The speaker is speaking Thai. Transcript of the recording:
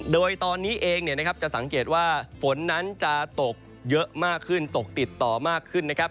โดยตอนนี้เองจะสังเกตว่าฝนนั้นจะตกเยอะมากขึ้นตกติดต่อมากขึ้นนะครับ